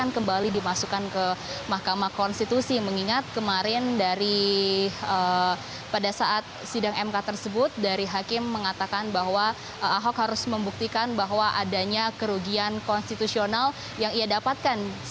pembangunan mk tersebut dari hakim mengatakan bahwa wahok harus membuktikan bahwa adanya kerugian konstitusional yang ia dapatkan